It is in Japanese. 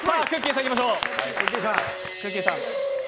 さんいきましょう。